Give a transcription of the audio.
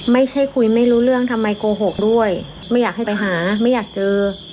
ไม่ใช่คุยไม่รู้เรื่องทำไมโกหกด้วยไม่อยากให้ไปหาไม่อยากเจอ